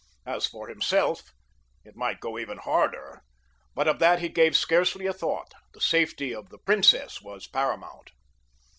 As for himself, it might go even harder, but of that he gave scarcely a thought—the safety of the princess was paramount.